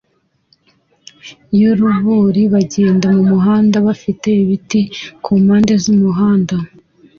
yubururu bagenda mumuhanda bafite ibiti kumpande zumuhanda